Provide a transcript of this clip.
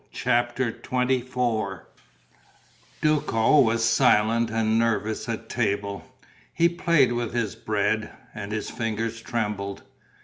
CHAPTER XXIV Duco was silent and nervous at table. He played with his bread; and his fingers trembled.